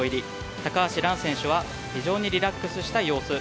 高橋藍選手は非常にリラックスした様子。